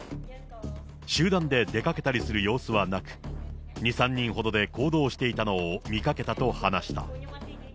集団で出かけたりする様子はなく、２、３人ほどで行動していたのを見かけたと話した。